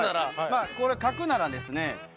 これ書くならですね